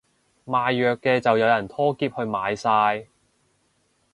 賣藥嘅就有人拖喼去買晒